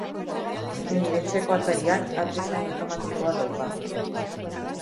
Nire etxeko atariak atezain automatikoa dauka.